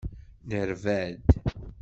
Nerba-d.